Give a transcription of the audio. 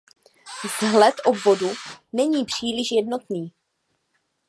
Vzhled obvodu není příliš jednotný.